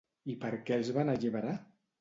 I per què els van alliberar?